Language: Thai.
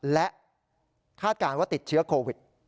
และคาดการณ์ว่าติดเชื้อโควิด